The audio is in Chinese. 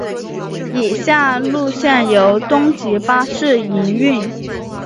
以下路线由东急巴士营运。